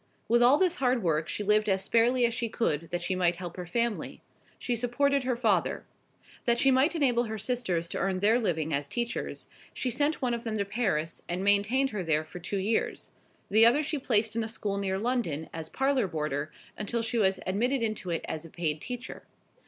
With all this hard work she lived as sparely as she could, that she might help her family. She supported her father. That she might enable her sisters to earn their living as teachers, she sent one of them to Paris, and maintained her there for two years; the other she placed in a school near London as parlour boarder until she was admitted into it as a paid teacher.